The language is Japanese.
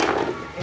え？